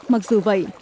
mặc dù vậy